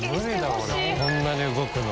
こんなに動くの。